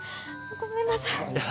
ごめんなさい